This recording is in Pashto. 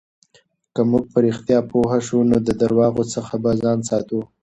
که موږ په رښتیا پوه شو، نو د درواغو څخه به ځان ساتو.